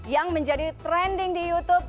yang menjadi trending di youtube